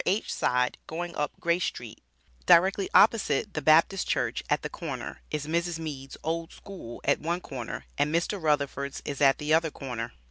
H. side going up Grace street, directly opposite the Baptist church at the corner, is Mrs. Meads Old School at one corner, and Mr. Rutherfords is at the other corner.